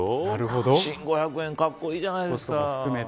新５００円かっこいいじゃないですか。